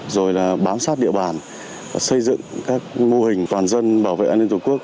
rồi là bám sát địa bàn xây dựng các mô hình toàn dân bảo vệ an ninh tổ quốc